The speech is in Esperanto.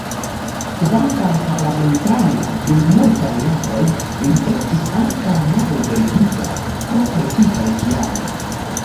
Kvankam parlamentano dum multaj jaroj, li estis ankaŭ malliberigita pro politikaj kialoj.